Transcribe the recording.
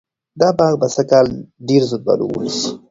دا باغ به سږکال ډېر زردالو ونیسي.